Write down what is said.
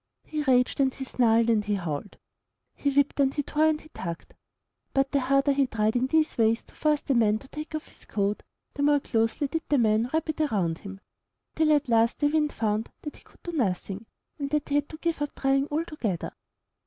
He raged and he snarled and he howled! He whipped and he tore and he 119 MY BOOK HOUSE tugged! But the harder he tried in these ways to force the man to take off his coat, the more closely did the man wrap it around him, till at last the Wind found that he could do nothing, and he had to give up trying altogether.